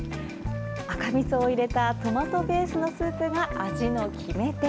赤みそを入れたトマトベースのスープが味の決め手。